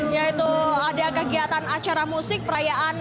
yaitu ada kegiatan acara musik perayaan